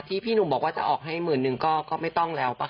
พี่หนุ่มบอกว่าจะออกให้หมื่นหนึ่งก็ไม่ต้องแล้วป่ะ